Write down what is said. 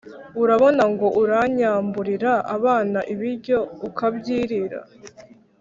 urabona ngo uranyamburira abana ibiryo, ukabyirira?